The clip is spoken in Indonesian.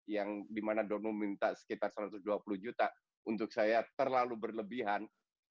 yang dimana donum minta sekitar satu ratus dua puluh juta untuk saya terlalu berlebihan